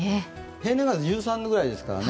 平年が１３度ぐらいですからね。